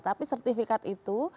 tapi sertifikat itu